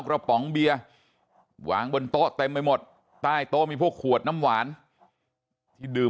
ป๋องเบียร์วางบนโต๊ะเต็มไปหมดใต้โต๊ะมีพวกขวดน้ำหวานที่ดื่ม